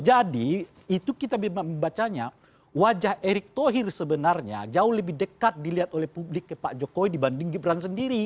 jadi itu kita baca wajah erik thohir sebenarnya jauh lebih dekat dilihat oleh publik pak jokowi dibanding gibran sendiri